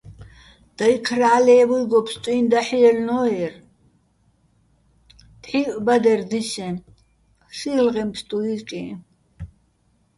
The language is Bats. დაჲქრა ლე́ვუჲგო ფსტუჲნო̆ დაჰ̦ ჲელნო́ერ, დღივჸ ბადერ დისეჼ, შილღეჼ ფსტუ ჲიკეჼ.